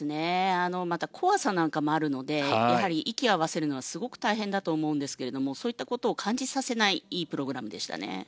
また怖さなんかもあるので息を合わせるのがすごく大変だと思うんですがそういったことを感じさせないいいプログラムでしたね。